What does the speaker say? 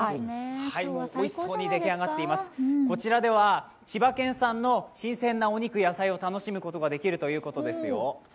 おいしそうにできあがっています、こちらでは千葉県産の新鮮なお肉、野菜を楽しむことができるということです。